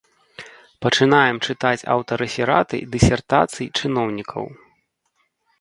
Пачынаем чытаць аўтарэфераты дысертацый чыноўнікаў.